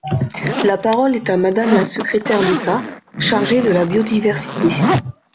La parole est à Madame la secrétaire d’État chargée de la biodiversité.